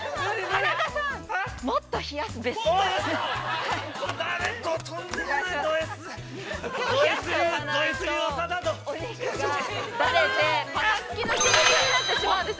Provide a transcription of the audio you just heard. ◆田中さん、もっと冷やすんです。